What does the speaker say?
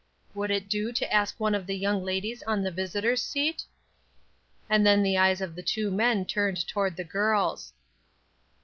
"Would it do to ask one of the young ladies on the visitors' seat?" And then the eyes of the two men turned toward the girls.